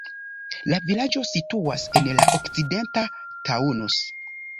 La vilaĝo situas en la okcidenta Taunus.